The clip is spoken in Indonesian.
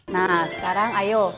nah sekarang ayo